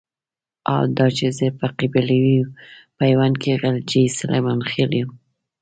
حال دا چې زه په قبيلوي پيوند کې غلجی سليمان خېل يم.